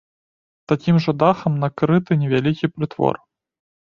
Такім жа дахам накрыты невялікі прытвор.